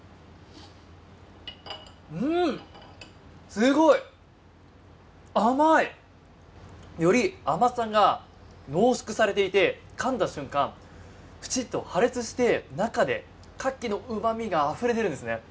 すごい！甘い！より甘さが濃縮されていてかんだ瞬間プチッと破裂して中でカキのうま味があふれ出るんですね。